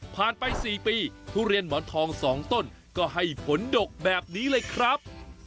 ไป๔ปีทุเรียนหมอนทอง๒ต้นก็ให้ผลดกแบบนี้เลยครับ